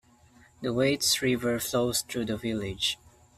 The Waits River flows through the village.